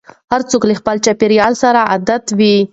هر څوک له خپل چاپېريال سره عادت وي.